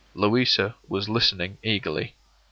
Louisa was listening eagerly.